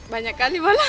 banyak kali malah